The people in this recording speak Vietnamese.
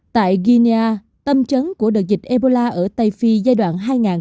tại guinea tâm trấn của đợt dịch ebola ở tây phi giai đoạn hai nghìn một mươi bốn hai nghìn một mươi sáu